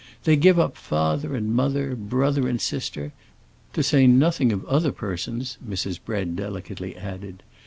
They give up father and mother, brother and sister,—to say nothing of other persons," Mrs. Bread delicately added.